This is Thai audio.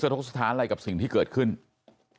ไปรับศพของเนมมาตั้งบำเพ็ญกุศลที่วัดสิงคูยางอเภอโคกสำโรงนะครับ